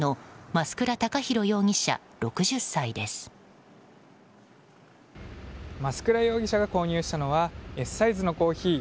増倉容疑者が購入したのはＳサイズのコーヒー。